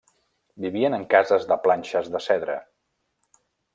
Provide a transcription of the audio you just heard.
Vivien en cases de planxes de cedre.